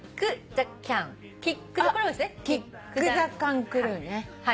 キックザカンクルーね。